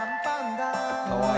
はい！